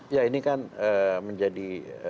ya ini kan menjadi